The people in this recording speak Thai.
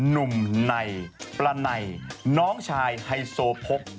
หนุ่มในประไนน้องชายไฮโซโพก